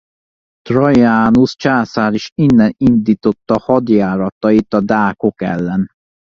Traianus császár is innen indította hadjáratait a dákok ellen.